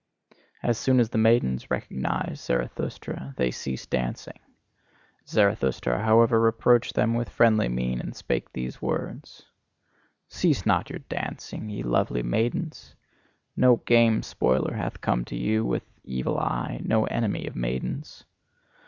As soon as the maidens recognised Zarathustra, they ceased dancing; Zarathustra, however, approached them with friendly mien and spake these words: Cease not your dancing, ye lovely maidens! No game spoiler hath come to you with evil eye, no enemy of maidens.